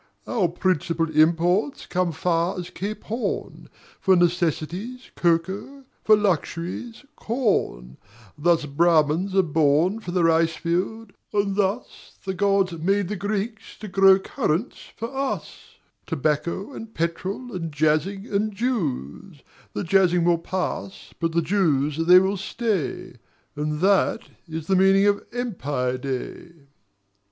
Our principal imports come far as Cape Horn; For necessities, cocoa; for luxuries, corn; Thus Brahmins are born for the rice field, and thus, The Gods made the Greeks to grow currants for us; Tobacco and petrol and Jazzing and Jews: The Jazzing will pass but the Jews they will stay; And that is the meaning of Empire Day.